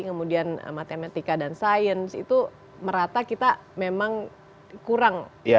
kemudian matematika dan sains itu merata kita memang kurang